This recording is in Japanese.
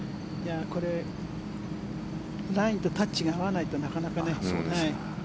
これラインとタッチが合わないとなかなかね。